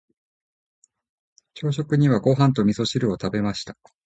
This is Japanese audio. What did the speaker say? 朝食にはご飯と味噌汁を食べました。